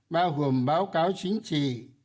bao gồm báo cáo chính trị